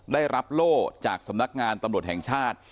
ได้รับโล่จากสำนักงานตำรวจแห่งชาติ